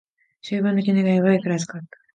終盤の展開はヤバいくらい熱かった